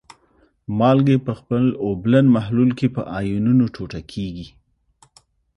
مالګې په خپل اوبلن محلول کې په آیونونو ټوټه کیږي.